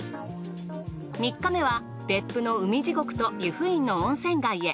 ３日目は別府の海地獄と由布院の温泉街へ。